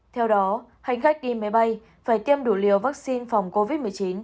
theo đó hành khách đi máy bay phải tiêm đủ liều vaccine phòng covid một mươi chín